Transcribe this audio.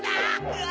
うわ！